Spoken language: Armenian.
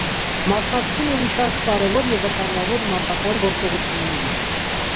Մասնակցում է մի շարք կարևոր և վտանգավոր մարտական գործողությունների։